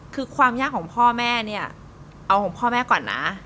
คือความยากของพ่อแม่เนี่ยเอาของพ่อแม่ก่อนนะ